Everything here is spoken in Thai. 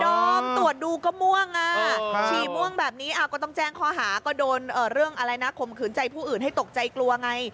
ชีม่วงอ่ะชีม่วงแบบนี้ก็ต้องแจ้งคอหาก็โดนเรื่องอะไรนะคมขืนใจผู้อื่นให้ตกใจกลัวไง